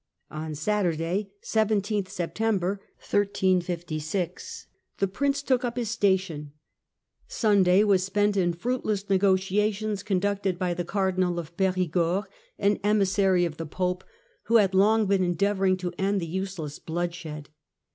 On Saturday, 17th September, the Prince took up his station ; Sunday was spent in fruitless negotia tions, conducted by the Cardinal of Perigord, an emissary of the Pope who had long been endeavouring to end the useless bloodshed.